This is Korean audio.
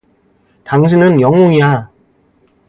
당신은 영웅이야.